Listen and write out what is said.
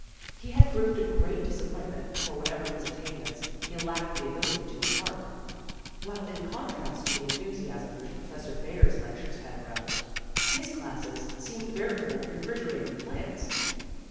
He had proved a great disappointment, for whatever his attainments, he lacked the ability to impart ; while in contrast to the enthusiasm which Professor Baer's lectures had aroused, his classes seemed veritable refrigerating plants.